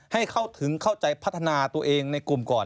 ให้เข้าถึงเข้าใจพัฒนาตัวเองในกลุ่มก่อน